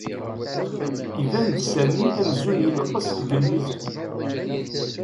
Iban-d Sami amzun yenqes deg lmizan.